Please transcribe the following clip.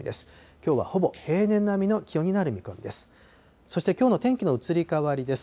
きょうはほぼ平年並みの気温になる見込みです。